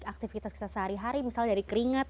aktivitas kita sehari hari misalnya dari keringat